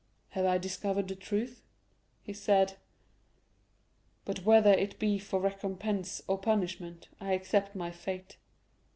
"Have I discovered the truth?" he said; "but whether it be for recompense or punishment, I accept my fate.